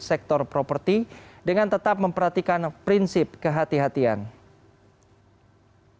di sektor properti dengan tetap memperhatikan prinsip kehati hatian